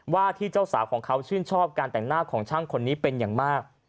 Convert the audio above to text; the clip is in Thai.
ว่าที่เจ้าสาวของเขาชื่นชอบการแต่งหน้าของช่างคนนี้เป็นอย่างมาก